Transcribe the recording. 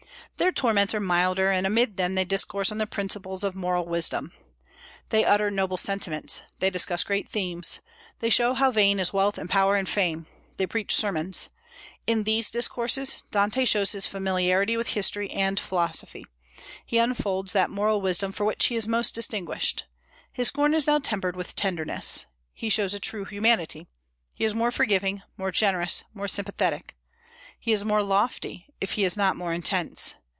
Their torments are milder, and amid them they discourse on the principles of moral wisdom. They utter noble sentiments; they discuss great themes; they show how vain is wealth and power and fame; they preach sermons. In these discourses, Dante shows his familiarity with history and philosophy; he unfolds that moral wisdom for which he is most distinguished. His scorn is now tempered with tenderness. He shows a true humanity; he is more forgiving, more generous, more sympathetic. He is more lofty, if he is not more intense.